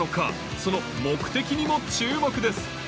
その目的にも注目です！